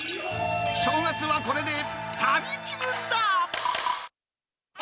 正月はこれで旅気分だ。